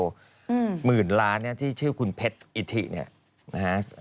หมื่นล้านเนี่ยที่ชื่อคุณเพชรอิทิเนี่ยนะฮะ